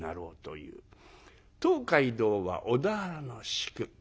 東海道は小田原の宿。